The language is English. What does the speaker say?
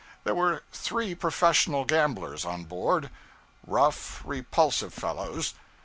There were three professional gamblers on board rough, repulsive fellows.